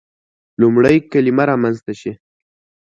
لومړی کلمه رامنځته شي.